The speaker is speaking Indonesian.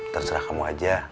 terserah kamu aja